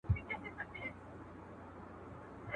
• دوه وړونه درېيم ئې حساب.